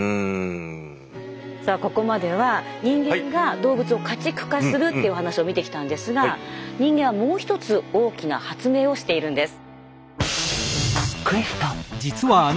さあここまでは人間が動物を家畜化するというお話を見てきたんですが人間はもう一つ大きな発明をしているんです。